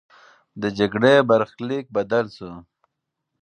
د جګړې برخلیک بدل سو.